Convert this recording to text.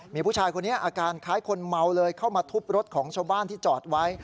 มีผู้ชายคนนี้อาการคล้ายคนเมาเลยเข้ามาทุบรถของชาวบ้านที่จอดไว้